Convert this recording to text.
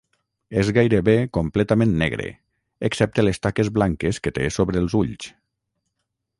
És gairebé completament negre, excepte les taques blanques que té sobre els ulls.